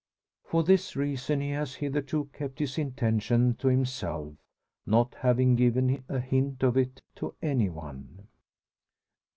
For this reason he has hitherto kept his intention to himself; not having given a hint of it to any one.